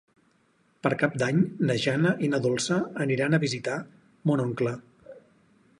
Per Cap d'Any na Jana i na Dolça aniran a visitar mon oncle.